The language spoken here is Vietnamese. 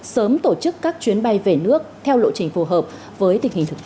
sớm tổ chức các chuyến bay về nước theo lộ trình phù hợp với tình hình thực tế